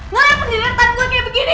lo yang menyedihkan gue kaya begini